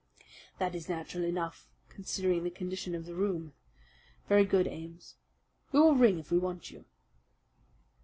"That is natural enough, considering the condition of the room. Very good, Ames. We will ring if we want you."